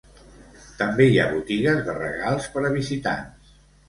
També hi ha botigues de regals per a visitants.